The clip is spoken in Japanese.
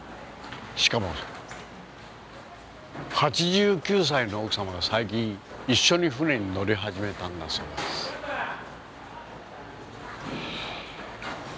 しかも８９歳の奥様が最近一緒に船に乗り始めたんだそうです。